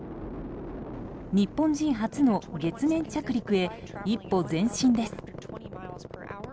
日本人初の月面着陸へ一歩前進です。